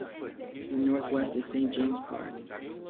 To the northwest is Saint James' Park.